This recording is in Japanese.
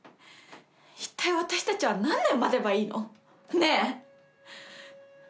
いったい私たちは何年待てばいいの？ねえ？